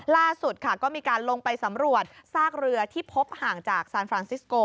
ล่าสุดค่ะก็มีการลงไปสำรวจซากเรือที่พบห่างจากซานฟรานซิสโก